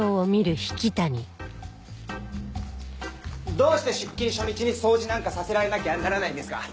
どうして出勤初日に掃除なんかさせられなきゃならないんですか？